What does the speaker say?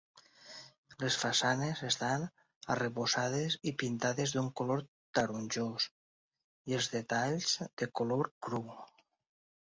Les façanes estan arrebossades i pintades d'un color taronjós i els detalls de color cru.